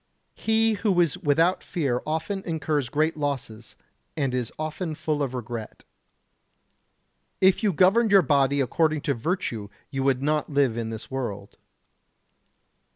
He who is without fear often incurs great losses, and is often full of regret. If you governed your body according to virtue you would not live in this world.